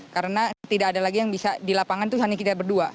karena tidak ada lagi yang bisa di lapangan itu hanya kita berdua